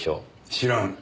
知らん。